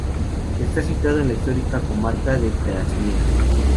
Está situado en la histórica comarca de Trasmiera.